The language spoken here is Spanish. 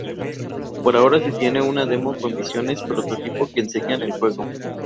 Por ahora, se tiene una demo con misiones prototipo que enseñan el juego.